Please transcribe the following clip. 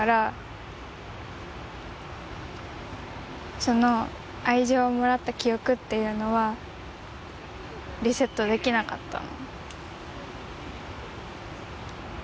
その愛情をもらった記憶っていうのはリセットできなかったの。